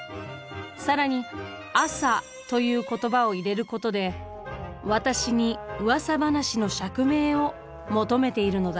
更に「朝」という言葉を入れることで私にうわさ話の釈明を求めているのだ。